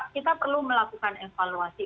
kita perlu melakukan evaluasi